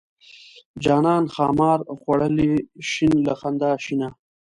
جانان ښامار خوړلی شین له خندا شینه.